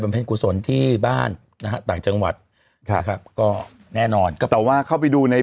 บันเพ็ญคุณสนที่บ้านต่างจังหวัดก็แน่นอนก็ว่าเข้าไปดูใน